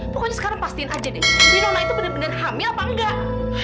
pokoknya sekarang pastiin aja deh nona itu bener bener hamil apa enggak